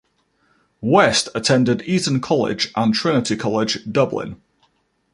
West attended Eton College and Trinity College, Dublin.